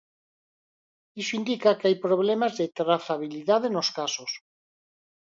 Iso indica que hai problemas de trazabilidade nos casos.